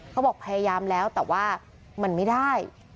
เขาบอกพยายามแล้วแต่ว่ามันไม่ได้